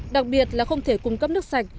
đặc biệt là không thể cung cấp nước sạch